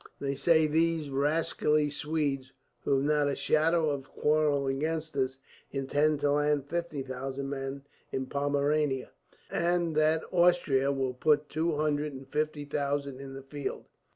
They say these rascally Swedes, who have not a shadow of quarrel against us, intend to land fifty thousand men in Pomerania; and that Austria will put two hundred and fifty thousand in the field.